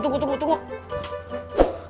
tunggu tunggu tunggu tunggu tunggu